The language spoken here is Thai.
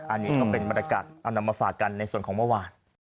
อันนี้ก็เป็นบรรยากาศเอานำมาฝากกันในส่วนของเมื่อวาน